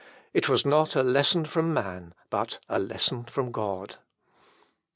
It was not a lesson from man, but a lesson from God.